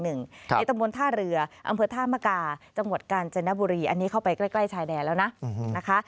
ตำบลท่าเรืออำเภอท่ามกาจังหวัดกาญจนบุรีอันนี้เข้าไปใกล้ชายแดนแล้วนะนะคะ